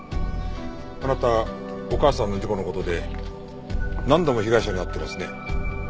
あなたお母さんの事故の事で何度も被害者に会ってますね。